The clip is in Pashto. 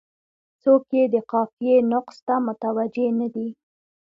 څوک یې د قافیې نقص ته متوجه نه دي.